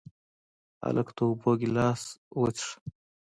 هلک د اوبو ګیلاس وڅښله.